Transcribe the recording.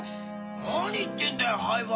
何言ってんだよ灰原。